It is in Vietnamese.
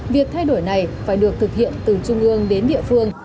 việc thay đổi này phải được thực hiện từ trung ương đến địa phương